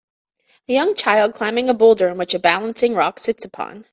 A young child climbing a boulder in which a balancing rock sits upon